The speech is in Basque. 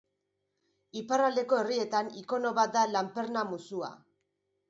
Iparraldeko herrietan ikono bat da lanperna-musua.